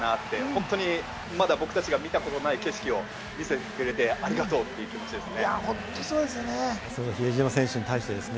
本当にまだ僕たちが見たことない景色を見せてくれてありがとうという気持ちですね。